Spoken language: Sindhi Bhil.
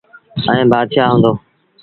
ائيٚݩ بآتشآه هُݩدو۔